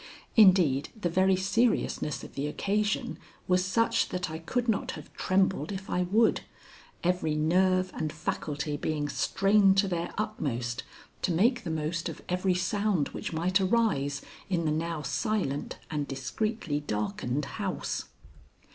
Indeed the very seriousness of the occasion was such that I could not have trembled if I would, every nerve and faculty being strained to their utmost to make the most of every sound which might arise in the now silent and discreetly darkened house.